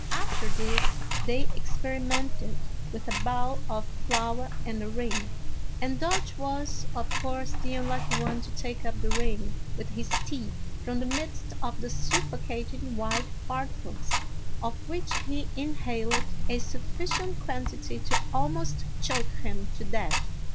After this, they experimented with a bowl of flour and a ring, and Dodge was, of course, the unlucky one to take up the ring with his teeth from the midst of the suffocating white particles, of which he inhaled a sufficient quantity to almost choke him to death.